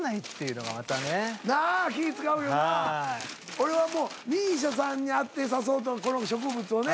俺はもうＭＩＳＩＡさんに合ってこの植物をね。